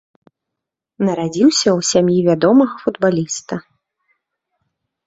Нарадзіўся ў сям'і вядомага футбаліста.